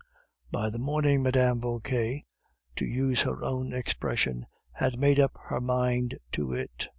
By the morning, Mme. Vauquer, to use her own expression, had "made up her mind to it."